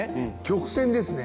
曲線ですね。